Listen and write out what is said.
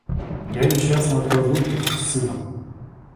Я несчастна от разлуки с сыном.